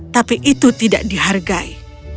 tapi itu tidak dihargai